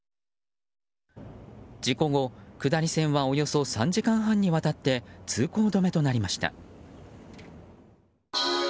事故後、下り線はおよそ３時間半にわたって通行止めとなりました。